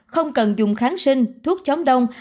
không cần dùng kháng sinh thuốc chống đông